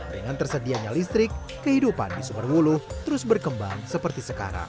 dengan tersedianya listrik kehidupan di sumberwulu terus berkembang seperti sekarang